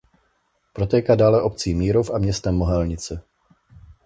Protéká dále obcí Mírov a městem Mohelnice.